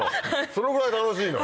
そのぐらい楽しいの？